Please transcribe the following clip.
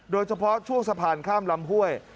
โดยเฉพาะช่วงสะพานข้ามลำห้วย